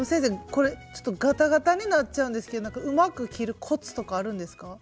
これちょっとガタガタになっちゃうんですけどうまく切るコツとかあるんですか？